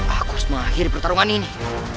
aku semangat di pertarungan ini